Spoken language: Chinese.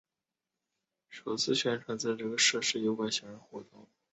阿布奎基商人首次宣称在这个设施有外星人活动。